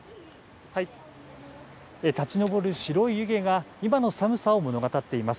立ち上る白い湯気が、今の寒さを物語っています。